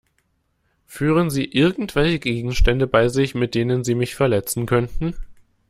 Führen Sie irgendwelche Gegenstände bei sich, mit denen Sie mich verletzen könnten?